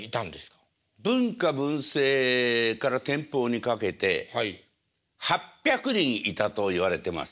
文化文政から天保にかけて８００人いたといわれてます。